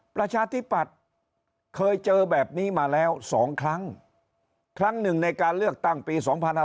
ประชาธิปัตย์เคยเจอแบบนี้มาแล้ว๒ครั้งครั้งหนึ่งในการเลือกตั้งปี๒๕๖๒